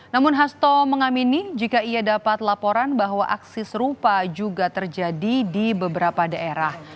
namun hasto mengamini jika ia dapat laporan bahwa aksi serupa juga terjadi di beberapa daerah